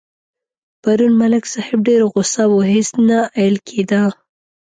پرون ملک صاحب ډېر غوسه و هېڅ نه اېل کېدا.